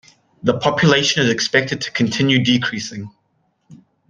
The population is expected to continue decreasing.